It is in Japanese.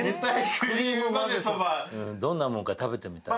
どんなもんか食べてみたい。